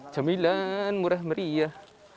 camilan murah meriah